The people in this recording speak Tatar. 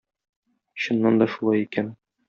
Чыннан да шулай икән.